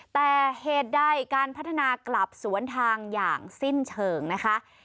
แต่เหตุใดการพัฒนากลับสวนทางอย่างสิ้นเชิงนะคะ